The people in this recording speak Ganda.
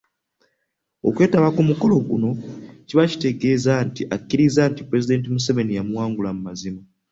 Okwetaba ku mukolo guno kiba kitegeeza nti akkiriza nti Pulezidenti Museveni yamuwangula mu mazima.